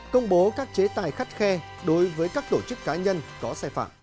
công bố các chế tài khắt khe đối với các tổ chức cá nhân có sai phạm